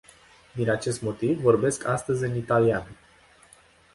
Din acest motiv, vorbesc astăzi în italiană.